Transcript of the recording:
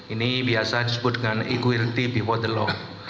ini biasa disebut dengan equality before the law